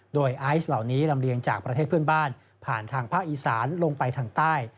โดยไอซ์เหล่านี้ลำเลียงจากประเทศเพื่อนบ้านผ่านทางภาคอีสานลงไปทางใต้